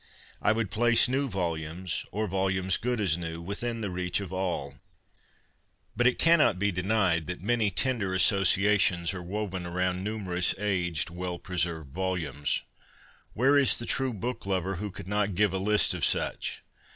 I would place new volumes, or volumes good as new, within the reach of all. But it cannot be denied that many tender asso ciations are woven around numerous aged, well preserved volumes. Where is the true book lover who could not give a list of such